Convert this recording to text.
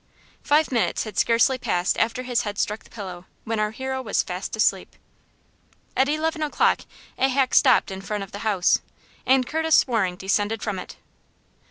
Five minutes had scarcely passed after his head struck the pillow, when our hero was fast asleep. At eleven o'clock a hack stopped in front of the house, and Curtis Waring descended from it.